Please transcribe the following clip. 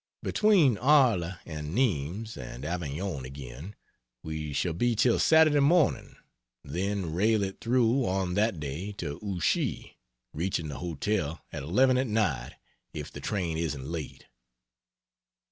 Between Arles and Nimes (and Avignon again,) we shall be till Saturday morning then rail it through on that day to Ouchy, reaching the hotel at 11 at night if the train isn't late.